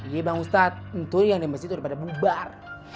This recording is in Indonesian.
iya bang ustadz itu yang di masjid udah pada bubar